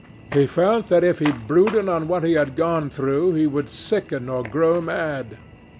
He felt that if he brooded on what he had gone through he would sicken or grow mad.